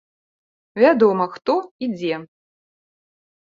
Вядома, хто і дзе.